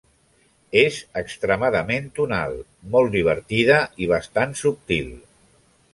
És extremadament tonal, molt divertida i bastant subtil.